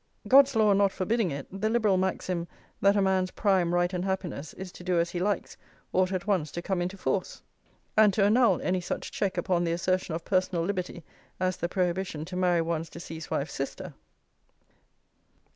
God's law not forbidding it, the Liberal maxim that a man's prime right and happiness is to do as he likes ought at once to come into force, and to annul any such check upon the assertion of personal liberty as the prohibition to marry one's deceased wife's sister.